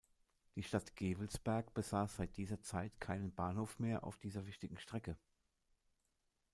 Die Stadt Gevelsberg besaß seit dieser Zeit keinen Bahnhof mehr auf dieser wichtigen Strecke.